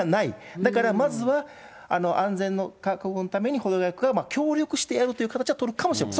だからまずは安全の確保のために保土ケ谷区が協力してやるという形は取るかもしれません。